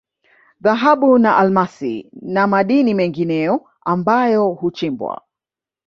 Dhahabu na Almasi na madini mengineyo ambayo huchimbwa